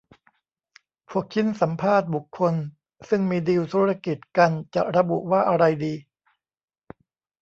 พวกชิ้นสัมภาษณ์บุคคล ซึ่งมีดีลธุรกิจกัน จะระบุว่าอะไรดี